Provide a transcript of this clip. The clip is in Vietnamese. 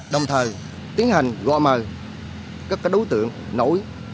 đồng thời tiến hành gom mời các đối tượng nổi